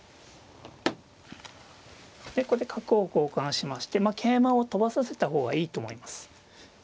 これで角を交換しまして桂馬を跳ばさせた方がいいと思います。